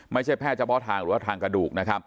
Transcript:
ไม่ใช่แพทย์เฉพาะทางหรือว่าทางกระดูกนะครับ